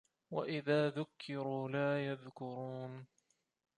وَإِذا ذُكِّروا لا يَذكُرونَ